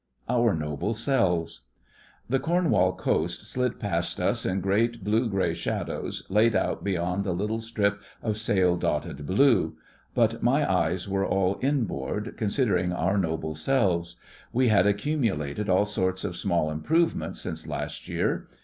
OUR NOBLE SELVES The Cornwall coast slid past us in great grey blue shadows, laid out beyond the little strip of sail dotted blue; but my eyes were all inboard considering our noble selves. We had accumulated all sorts of small improvements since last year.